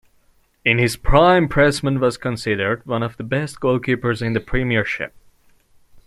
In his prime, Pressman was considered one of the best goalkeepers in the Premiership.